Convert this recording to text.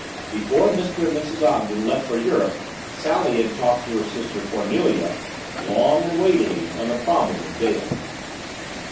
Before Mr. and Mrs. Ogden left for Europe, Sally had talked to her sister Cornelia ... long and weightily, on the problem of Dale."